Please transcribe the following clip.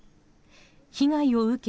被害を受け